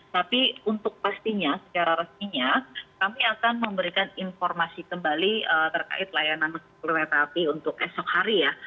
tapi untuk pastinya secara resminya kami akan memberikan informasi kembali terkait layanan kereta api untuk esok hari ya